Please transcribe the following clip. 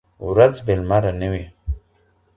ورځ بې لمره نه وي.